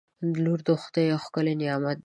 • لور د خدای یو ښکلی نعمت دی.